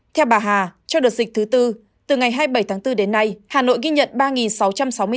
theo bà hà trong đợt dịch thứ tư từ ngày hai mươi bảy tháng bốn đến nay hà nội ghi nhận ba sáu trăm sáu mươi ca